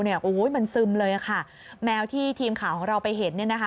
โอ้โหมันซึมเลยค่ะแมวที่ทีมข่าวของเราไปเห็นเนี่ยนะคะ